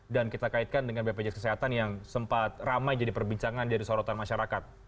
kita kaitkan dengan bpjs kesehatan yang sempat ramai jadi perbincangan jadi sorotan masyarakat